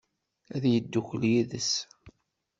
Ad yeddukel yid-s?